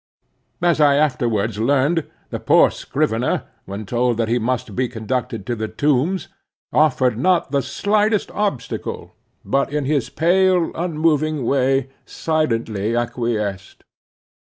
As I afterwards learned, the poor scrivener, when told that he must be conducted to the Tombs, offered not the slightest obstacle, but in his pale unmoving way, silently acquiesced.